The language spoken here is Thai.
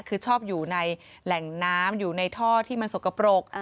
คือชอบอยู่ในแหล่งน้ำอยู่ในท่อที่มันสกปรก